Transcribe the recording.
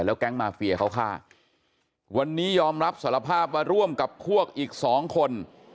แก๊งมาเฟียเขาฆ่าวันนี้ยอมรับสารภาพว่าร่วมกับพวกอีกสองคน